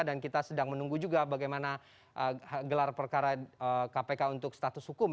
dan kita sedang menunggu juga bagaimana gelar perkara kpk untuk status hukum